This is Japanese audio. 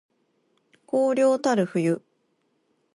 荒涼たる冬